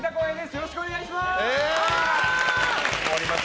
よろしくお願いします！